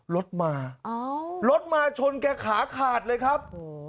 รถมารถมาชนแกขาขาดเลยครับ